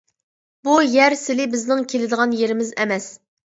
بۇ يەر سىلى-بىزنىڭ كېلىدىغان يېرىمىز ئەمەس.